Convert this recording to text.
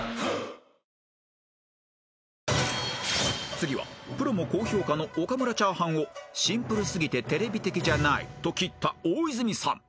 ［次はプロも高評価の岡村チャーハンをシンプル過ぎてテレビ的じゃないと斬った大泉さん］